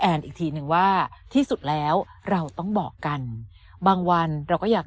อีกทีนึงว่าที่สุดแล้วเราต้องบอกกันบางวันเราก็อยาก